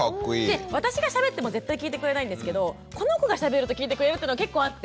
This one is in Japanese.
で私がしゃべっても絶対聞いてくれないんですけどこの子がしゃべると聞いてくれるっていうの結構あって。